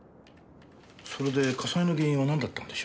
それで火災の原因はなんだったんでしょう？